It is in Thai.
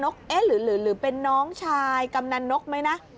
เอ๊ะหรือเป็นน้องชายกำนันนกไหมนะ